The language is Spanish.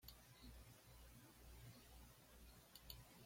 Es integrante del grupo de intelectuales "Manifiesto".